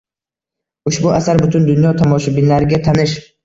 Ushbu asar butun dunyo tomoshabinlariga tanish.